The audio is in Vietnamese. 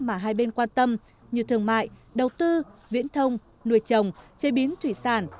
mà hai bên quan tâm như thương mại đầu tư viễn thông nuôi trồng chế biến thủy sản